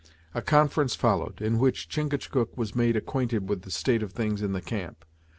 A conference followed, in which Chingachgook was made acquainted with the state of things in the camp.